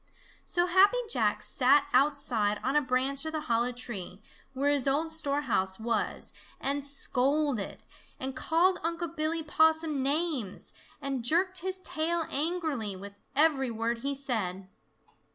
So Happy Jack sat outside on a branch of the hollow tree where his old storehouse was and scolded, and called Unc' Billy Possum names, and jerked his tail angrily with every word he said.